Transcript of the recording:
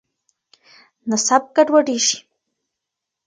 نسب ګډوډېږي.